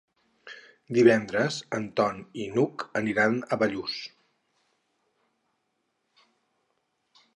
Divendres en Ton i n'Hug aniran a Bellús.